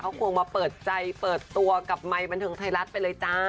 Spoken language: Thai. เขาคงมาเปิดใจเปิดตัวกับไมค์บันเทิงไทยรัฐไปเลยจ้า